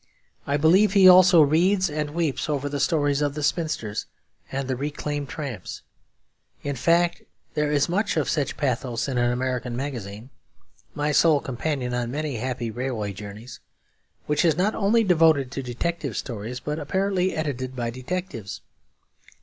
I believe he also reads and weeps over the stories of the spinsters and the reclaimed tramps; in fact, there is much of such pathos in an American magazine (my sole companion on many happy railway journeys) which is not only devoted to detective stories, but apparently edited by detectives.